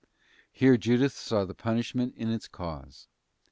* Here Judith saw the punishment in its cause.